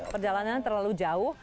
perjalanan terlalu jauh